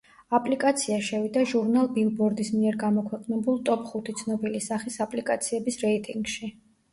აპლიკაცია შევიდა ჟურნალ ბილბორდის მიერ გამოქვეყნებულ ტოპ ხუთი ცნობილი სახის აპლიკაციების რეიტინგში.